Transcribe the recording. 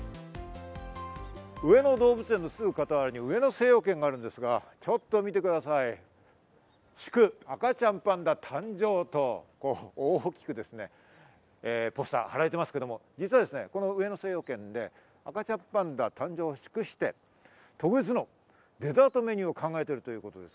上野動物園のすぐ傍らに上野精養軒があるんですが、ちょっと見てください、「祝赤ちゃんパンダ誕生！」と大きくですね、ポスターが張られていますけど、実は上野精養軒で赤ちゃんパンダ誕生を祝して特別のデザートメニューを考えているというんです。